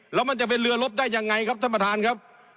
แล้วมันจะเป็นเรือลบได้ยังไงครับท่านประธานครับ